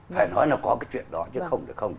phải nói là có cái chuyện đó chứ không được không